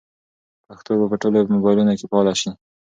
پښتو به په ټولو موبایلونو کې فعاله شي.